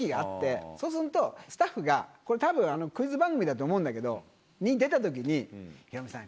そうするとスタッフがこれたぶんクイズ番組だと思うんだけどに出たときに「ヒロミさん」。